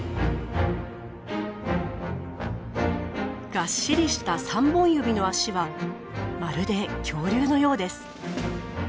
がっしりした３本指の足はまるで恐竜のようです。